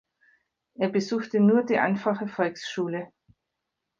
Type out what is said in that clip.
Er besuchte nur die einfache Volksschule.